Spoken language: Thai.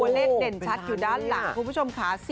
เลขเด่นชัดอยู่ด้านหลังคุณผู้ชมค่ะ